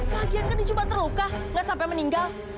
lagian kan dia cuma terluka nggak sampai meninggal